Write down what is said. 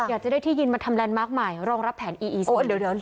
อยากจะได้ที่ยินมาทำแลนดมาร์คใหม่รองรับแผนอีอีซู